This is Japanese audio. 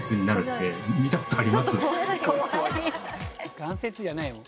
関節じゃないもう。